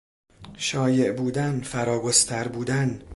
شایع بودن، فراگستر بودن